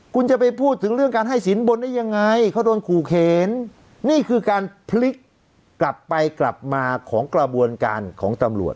คุณจะไปพูดถึงเรื่องการให้สินบนได้ยังไงเขาโดนขู่เขนนี่คือการพลิกกลับไปกลับมาของกระบวนการของตำรวจ